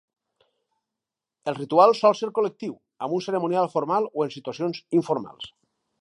El ritual sol ser col·lectiu, amb un cerimonial formal o en situacions informals.